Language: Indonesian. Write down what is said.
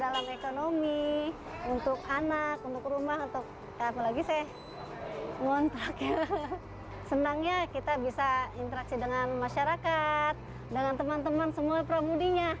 kita bisa kumpul kumpul gitu